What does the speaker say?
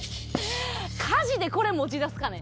「火事でこれ持ち出すかね？」。